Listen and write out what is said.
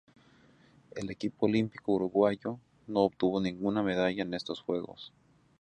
El equipo olímpico uruguayo no obtuvo ninguna medalla en estos Juegos.